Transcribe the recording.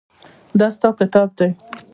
دا ستا کتاب دی.